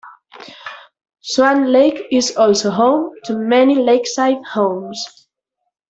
Swan Lake is also home to many lakeside homes.